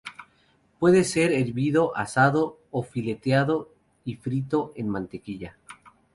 Puede ser hervido, asado o fileteado y frito en mantequilla.